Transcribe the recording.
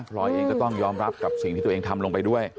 ลอยเองก็ต้องยอมรับกับสิ่งที่ตัวเองทำลงไปด้วย